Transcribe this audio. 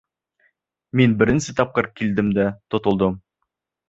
Мин беренсе тапҡыр килдем дә тотолдом!